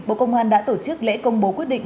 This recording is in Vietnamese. bộ công an đã tổ chức lễ công bố quyết định